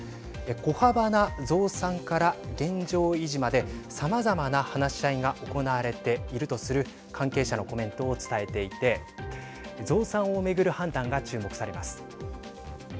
小幅な増産から現状維持までさまざまな話し合いが行われているとする関係者のコメントを伝えていて増産を巡る判断が注目されます。